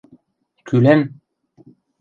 – Кӱлӓн?